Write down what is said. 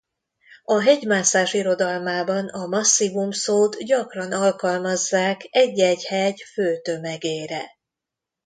A hegymászás irodalmában a masszívum szót gyakran alkalmazzák egy-egy hegy fő tömegére.